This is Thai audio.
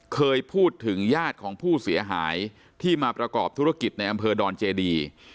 เคยพูดถึงญาติของผู้เสียหายที่มาประกอบธุรกิจในอำเภอดอนเจดี